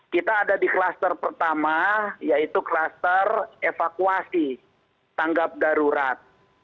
kita ada di kluster pertama yaitu kluster evakuasi tanggap darurat